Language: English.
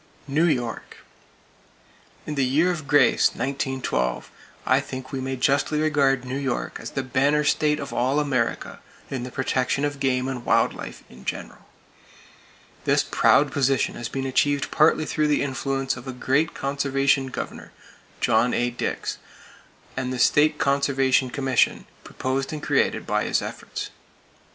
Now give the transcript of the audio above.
New York: In the year of grace, 1912, I think we may justly regard New York as the banner state of all America in the protection of game and wild life in general. This proud position has been achieved partly through the influence of a great conservation Governor, John A. Dix, and the State Conservation Commission proposed and created by his efforts.